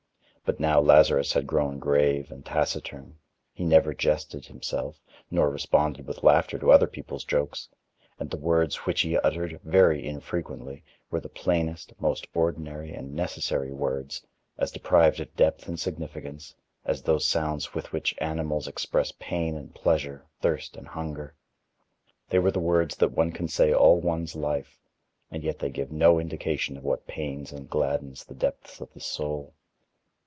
But now Lazarus had grown grave and taciturn, he never jested, himself, nor responded with laughter to other people's jokes; and the words which he uttered, very infrequently, were the plainest, most ordinary, and necessary words, as deprived of depth and significance, as those sounds with which animals express pain and pleasure, thirst and hunger. They were the words that one can say all one's life, and yet they give no indication of what pains and gladdens the depths of the soul.